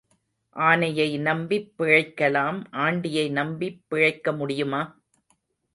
ஆனையை நம்பிப் பிழைக்கலாம் ஆண்டியை நம்பிப் பிழைக்க முடியுமா?